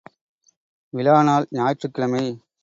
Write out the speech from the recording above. விழா நாள் ஞாயிற்றுக் கிழமை!